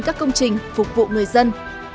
các công trình phục vụ người dân